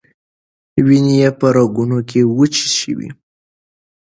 وینې یې په رګونو کې وچې شوې.